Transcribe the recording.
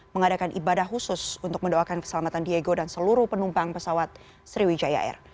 mengadakan ibadah khusus untuk mendoakan keselamatan diego dan seluruh penumpang pesawat sriwijaya air